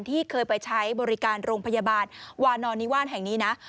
ที่เคยไปใช้บริการโรงพยาบาลวานอนนิวานแห่งนี้นะ